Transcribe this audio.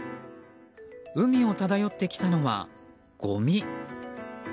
海を漂ってきたのは、ごみ。